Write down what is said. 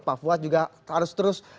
papua juga harus terus